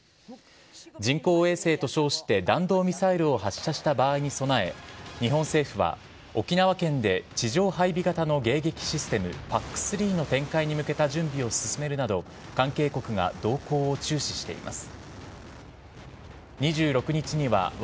人工衛星と称して弾道ミサイルを発射した場合に備え、日本政府は、沖縄県で地上配備型の迎撃システム、ＰＡＣ３の展開に向けた準備を進めるなど、関係国が動向を注視しています。